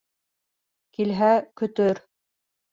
Килһә, көтөр.